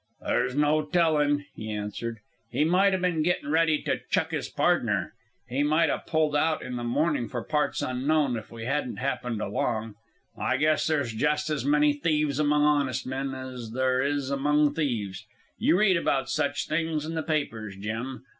"There's no tellin'," he answered. "He might a ben gettin' ready to chuck his pardner. He might a pulled out in the mornin' for parts unknown, if we hadn't happened along. I guess there's just as many thieves among honest men as there is among thieves. You read about such things in the papers, Jim.